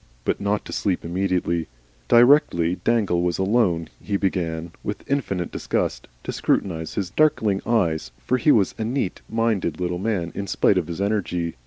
But not to sleep immediately. Directly Dangle was alone he began, with infinite disgust, to scrutinise his darkling eye, for he was a neat minded little man in spite of his energy.